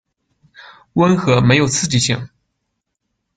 溫和沒有刺激性